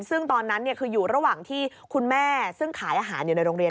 ซึ่งตอนนั้นคืออยู่ระหว่างที่คุณแม่ซึ่งขายอาหารอยู่ในโรงเรียน